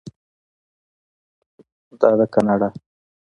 دا دی کاناډا.